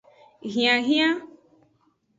Hianhian.